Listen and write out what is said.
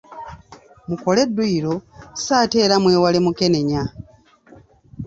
Mukole dduyiro so ate era mwewale mukenenya.